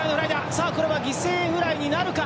さあ、これは犠牲フライになるか。